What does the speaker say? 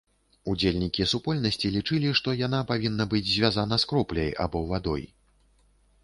Удзельнікі супольнасці лічылі, што яна павінна быць звязана з кропляй або вадой.